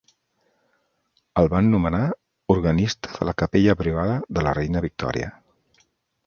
El van nomenar organista de la capella privada de la reina Victòria.